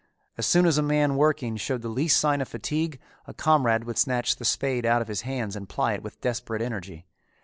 As soon as a man working showed the least sign of fatigue, a comrade would snatch the spade out of his hands and ply it with desperate energy.